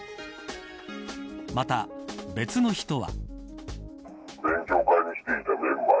また、別の人は。